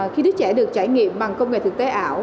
khi đứa trẻ được trải nghiệm bằng công nghệ thực tế ảo